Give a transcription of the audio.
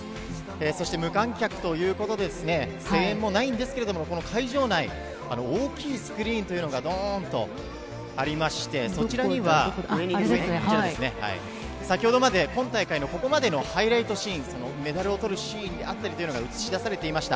そして無観客ということで、声援もないんですけれども、この会場内、大きいスクリーンというのがどーんとありまして、そちらには、先ほどまで今大会のここまでのハイライトシーン、メダルをとるシーンであったりというのが映し出されていました。